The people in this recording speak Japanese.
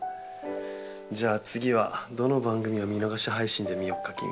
じゃあ次はどの番組を見逃し配信で見よっかキミ。